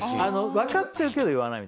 わかってるけど言わないの。